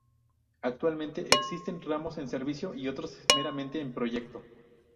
Actualmente existen tramos en servicio y otros meramente en proyecto.